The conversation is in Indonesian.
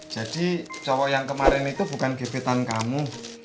jadi cowok yang kemarin itu bukan gepitan kamu